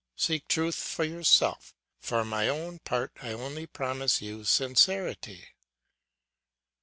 Seek truth for yourself, for my own part I only promise you sincerity.